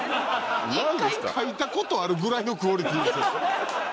１回描いたことあるぐらいのクオリティーですよね。